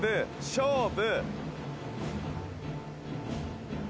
勝負。